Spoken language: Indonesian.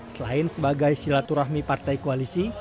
selain sebagai silaturahmi partai koalisi